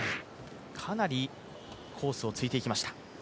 かなり、コースを突いてきました。